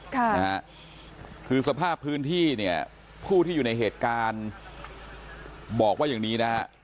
ค่ะนะฮะคือสภาพพื้นที่เนี่ยผู้ที่อยู่ในเหตุการณ์บอกว่าอย่างนี้นะฮะ